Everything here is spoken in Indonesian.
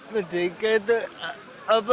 merdeka itu apa